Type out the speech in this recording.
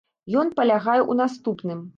Ён палягае ў наступным.